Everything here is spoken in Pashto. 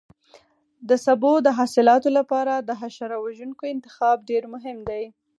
د سبو د حاصلاتو لپاره د حشره وژونکو انتخاب ډېر مهم دی.